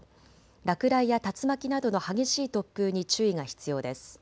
落雷や竜巻などの激しい突風に注意が必要です。